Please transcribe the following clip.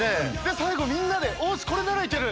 最後みんなでこれなら行ける！